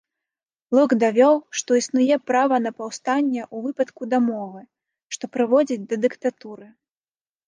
Лок давёў, што існуе права на паўстанне ў выпадку дамовы, што прыводзіць да дыктатуры.